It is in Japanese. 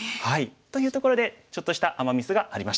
というところでちょっとしたアマ・ミスがありました。